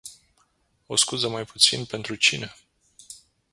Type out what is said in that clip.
O scuză mai puțin pentru cine?